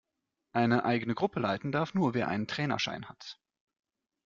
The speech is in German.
Eine eigene Gruppe leiten darf nur, wer einen Trainerschein hat.